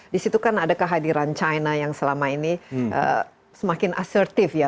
di situ kan ada kehadiran china yang selama ini semakin asertif ya